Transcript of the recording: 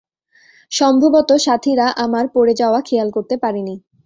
সম্ভবত সাথিরা আমার পড়ে যাওয়া খেয়াল করতে পারেনি।